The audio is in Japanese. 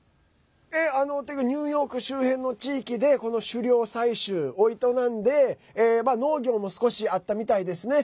ニューヨーク周辺の地域で狩猟、採集を営んで農業も少しあったみたいですね。